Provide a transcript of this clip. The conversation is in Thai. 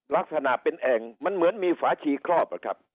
ลักษณะเป็นแอ่งมันเหมือนมีฝาชีครอบอะครับ